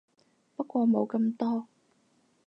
不過冇咁多